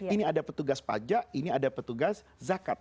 ini ada petugas pajak ini ada petugas zakat